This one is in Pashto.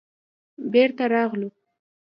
بېرته راغلو.